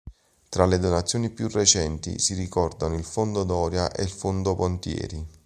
Tra le donazioni più recenti si ricordano il Fondo Doria e il Fondo Pontieri.